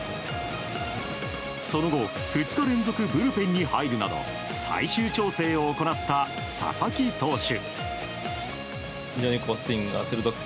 その後、２日連続ブルペンに入るなど最終調整を行った佐々木投手。